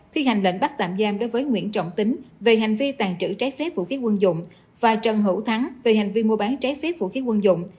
thi hành lệnh bắt tạm giam đối với nguyễn trọng tính về hành vi tàn trữ trái phép vũ khí quân dụng và trần hữu thắng về hành vi mua bán trái phép vũ khí quân dụng